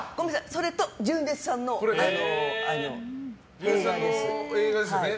それと、純烈さんの映画です。